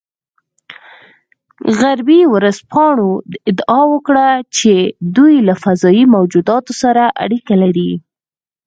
غربي ورځپاڼو ادعا وکړه چې دوی له فضايي موجوداتو سره اړیکه لري